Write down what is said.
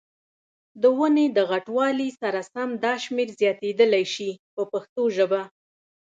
د ونې د غټوالي سره سم دا شمېر زیاتېدلای شي په پښتو ژبه.